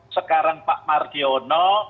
sekarang pak marjono